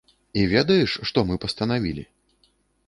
І ведаеш, што мы пастанавілі?